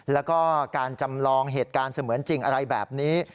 แล้วก็การจำลองเหตุการณ์เสมือนจริงอะไรแบบนี้